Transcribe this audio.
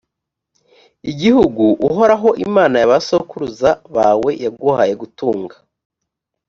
igihugu uhoraho imana y’abasokuruza bawe yaguhaye gutunga,